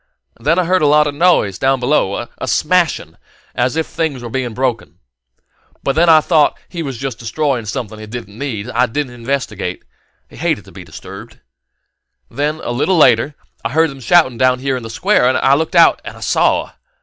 Then I heard a lot of noise down below a smashing as if things were being broken. But I thought he was just destroying something he didn't need, and I didn't investigate: he hated to be disturbed. And then, a little later, I heard them shouting out here in the Square, and I looked out and saw.